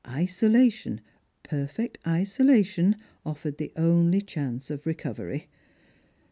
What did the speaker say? Isolation — perfect isolation — offered the only chance of recovery.